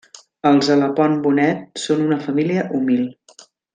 Els Alapont Bonet són una família humil.